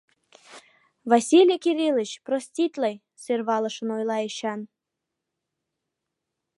— Василий Кирилыч, проститле, — сӧрвалышын ойла Эчан.